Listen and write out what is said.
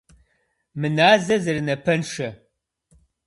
- Мы назэр зэрынапэншэ!